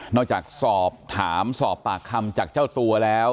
อกจากสอบถามสอบปากคำจากเจ้าตัวแล้ว